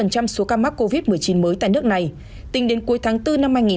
covid một mươi chín mới tại nước này tính đến cuối tháng bốn năm hai nghìn hai mươi hai